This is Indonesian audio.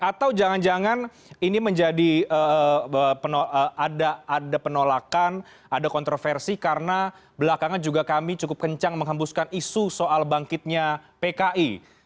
atau jangan jangan ini menjadi ada penolakan ada kontroversi karena belakangan juga kami cukup kencang menghembuskan isu soal bangkitnya pki